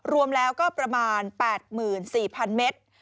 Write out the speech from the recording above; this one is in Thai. รวมแล้วก็ประมาณ๘๔๐๐๐เมตร